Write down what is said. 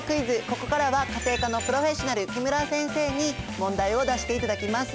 ここからは家庭科のプロフェッショナル木村先生に問題を出していただきます。